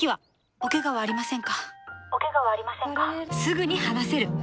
おケガはありませんか？